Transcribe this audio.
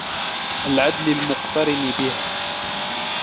الْعَدْلِ الْمُقْتَرِنِ بِهَا